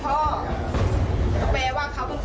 แปลว่าเขาเป็นคนท้ายมันต้องกลัวอยู่ด้วยค่ะ